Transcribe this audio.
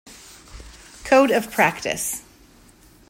Code of practice.